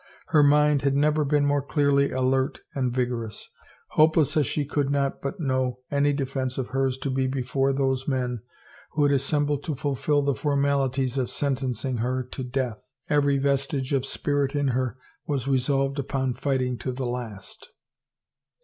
Her mind had never been more clearly alert and vigorous. Hopeless as she could not but know any defense of hers to be before those men who had as sembled to fulfill the formalities of sentencing her to death, every vestige of spirit in her was resolved upon fighting to the last.